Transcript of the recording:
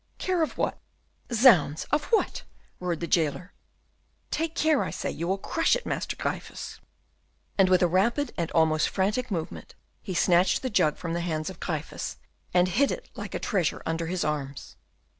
"Care of what? Zounds! of what?" roared the jailer. "Take care, I say, you will crush it, Master Gryphus." And with a rapid and almost frantic movement he snatched the jug from the hands of Gryphus, and hid it like a treasure under his arms.